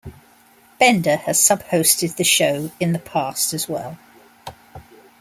Bender has sub-hosted the show in the past as well.